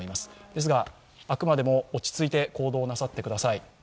ですが、あくまでも落ち着いて行動なさってください。